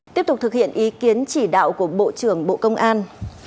tiếp tục thực hiện ý kiến chỉ đạo của bộ trưởng bộ công an